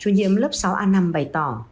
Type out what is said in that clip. nghiệm lớp sáu a năm bày tỏ